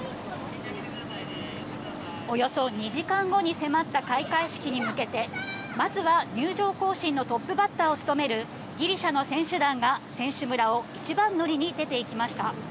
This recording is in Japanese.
およそ２時間後に迫った開会式に向けて、まずは入場行進のトップバッターを務める、ギリシャの選手団が選手村を一番乗りに出ていきました。